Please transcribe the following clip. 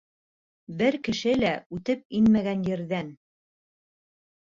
Бер кеше лә үтеп инмәгән ерҙән...